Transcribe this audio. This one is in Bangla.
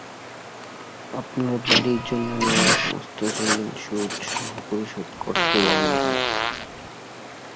আপনার বাড়ির জন্য নেওয়া সমস্ত ঋণ সুদ সহ পরিশোধ করতেও আমি রাজি।